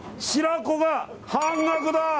白子が半額だ。